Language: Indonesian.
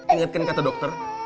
ingatkan kata dokter